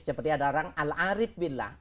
seperti ada orang al arif billah